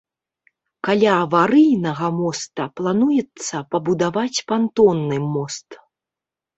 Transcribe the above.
Каля аварыйнага моста плануецца пабудаваць пантонны мост.